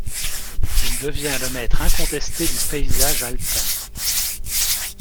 Il devient le maître incontesté du paysage alpin.